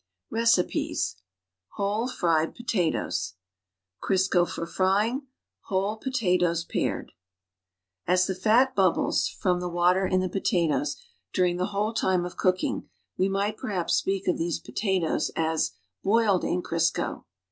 RECIPES WHOLE FRIED POTATOES Crisco for frying whole potatoes, pared As the fat bubbles (from the water in the potatoes) during the whole time of cooking, we might perhaps speak of these potatoes as boiled in Crisco.